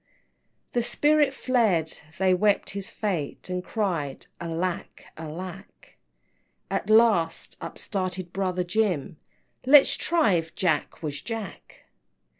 XIV. The spirit fled they wept his fate, And cried, Alack, alack! At last up started brother Jim, "Let's try if Jack, was Jack!"